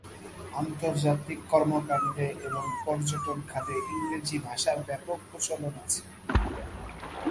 আন্তর্জাতিক কর্মকাণ্ডে এবং পর্যটন খাতে ইংরেজি ভাষার ব্যাপক প্রচলন আছে।